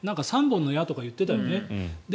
３本の矢とか言ってたよね。